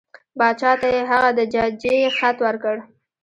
باچا ته یې هغه د ججې خط ورکړ.